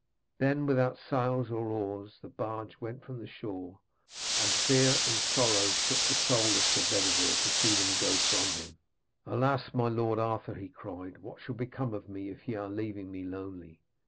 Then, without sails or oars, the barge went from the shore, and fear and sorrow shook the soul of Sir Bedevere to see them go from him. 'Alas, my lord Arthur,' he cried, 'what shall become of me if ye are leaving me lonely?'